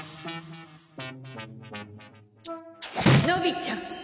のびちゃん！